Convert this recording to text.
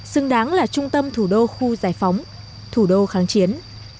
xứng đáng là trung tâm thủ đô khu giải phóng thủ đô kháng chiến